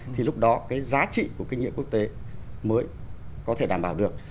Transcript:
thì lúc đó cái giá trị của kinh nghiệm quốc tế mới có thể đảm bảo được